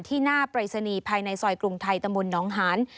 ที่หน้าปรายศนีภายในสอยกรุงไทยตมน้องหาน